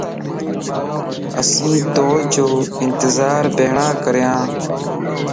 اسين تو جو انتظار ٻيھڻا ڪريان